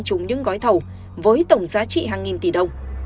trúng những gói thầu với tổng giá trị hàng nghìn tỷ đồng